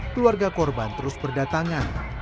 keluarga korban terus berdatangan